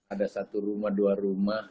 ada satu rumah dua rumah